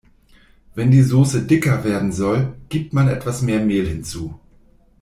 Wenn die Soße dicker werden soll, gibt man etwas mehr Mehl hinzu.